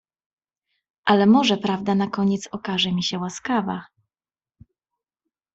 Ale może prawda na koniec okaże mi się łaskawa…